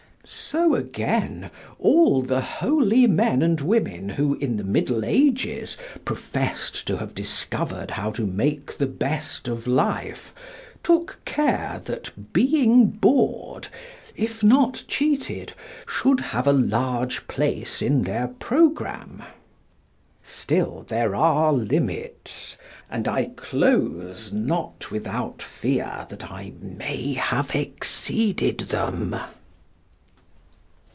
So, again, all the holy men and women who in the Middle Ages professed to have discovered how to make the best of life took care that being bored, if not cheated, should have a large place in their programme. Still there are limits, and I close not without fear that I may have exceeded them.